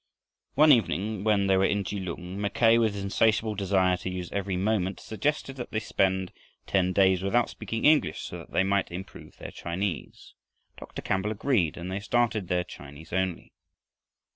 One evening, when they were in Kelung, Mackay, with his insatiable desire to use every moment, suggested that they spend ten days without speaking English, so that they might improve their Chinese. Dr. Campbell agreed, and they started their "Chinese only."